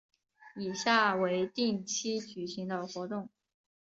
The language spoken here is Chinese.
以下为定期举行的活动